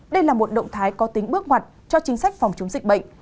đây là một động thái có tính bước ngoặt cho chính sách phòng chống dịch bệnh